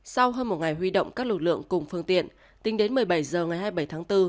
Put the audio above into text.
sau hơn một ngày huy động các lực lượng cùng phương tiện tính đến một mươi bảy h ngày hai mươi bảy tháng bốn